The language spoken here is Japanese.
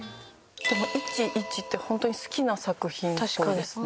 でも１１って本当に好きな作品っぽいですね。